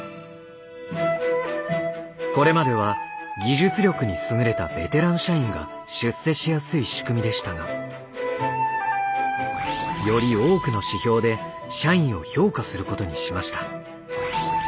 これまでは技術力に優れたベテラン社員が出世しやすい仕組みでしたがより多くの指標で社員を評価することにしました。